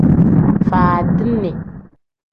Faadini.